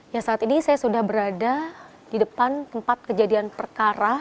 ya saat ini saya sudah berada di depan tempat kejadian perkara